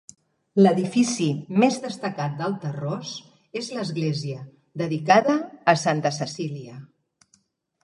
L'edifici més destacat del Tarròs és l'església, dedicada a santa Cecília.